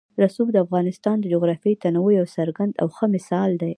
رسوب د افغانستان د جغرافیوي تنوع یو څرګند او ښه مثال دی.